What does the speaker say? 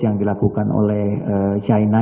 yang dilakukan oleh china